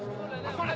これ？